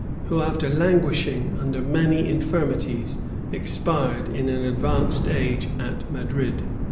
who, after languishing under many infirmities, expired in an advanced age at Madrid.